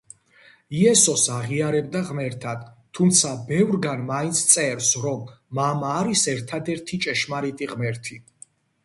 იესოს აღიარებდა ღმერთად, თუმცა ბევრგან მაინც წერს რომ მამა არის ერთადერთი ჭეშმარიტი ღმერთი.